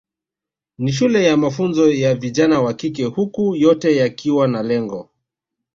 Ni shule ya mafunzo ya vijana wa kike huku yote yakiwa na lengo